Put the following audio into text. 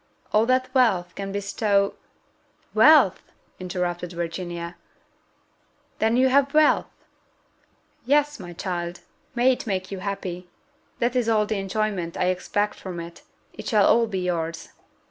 All that wealth can bestow " "Wealth!" interrupted Virginia: "then you have wealth?" "Yes, my child may it make you happy! that is all the enjoyment I expect from it: it shall all be yours."